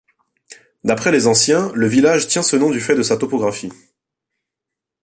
D'après les anciens, le village tient ce nom du fait de sa topographie.